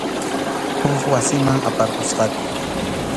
Huk wasiman aparqusqaku.